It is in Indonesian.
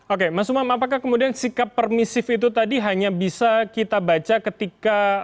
oke mas umam apakah kemudian sikap permisif itu tadi hanya bisa kita baca ketika